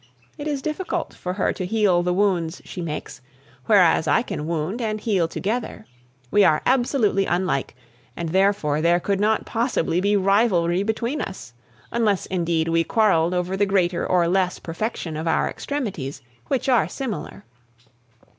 It is difficult for her to heal the wounds she makes, whereas I can wound and heal together. We are absolutely unlike, and therefore there could not possibly be rivalry between us, unless indeed we quarreled over the greater or less perfection of our extremities, which are similar.